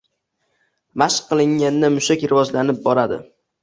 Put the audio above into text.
Mashq qilinganda mushak rivojlanib boradi.